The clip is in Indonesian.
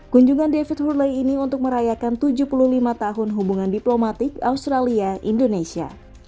kunjungan david hurly ini untuk merayakan tujuh puluh lima tahun hubungan diplomatik australia indonesia